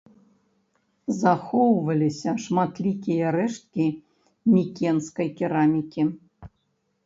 Захоўваліся шматлікія рэшткі мікенскай керамікі.